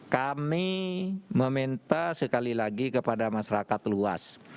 kami meminta sekali lagi kepada masyarakat luas